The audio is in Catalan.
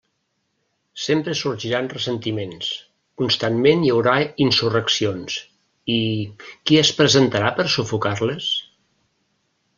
Sempre sorgiran ressentiments; constantment hi haurà insurreccions; i ¿qui es presentarà per a sufocar-les?